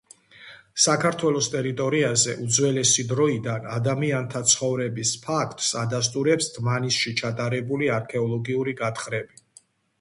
საქართველოს ტერიტორიაზე უძველესი დროიდან ადამიანთა ცხოვრების ფაქტს ადასტურებს დმანისში ჩატარებული არქეოლოგიური გათხრები.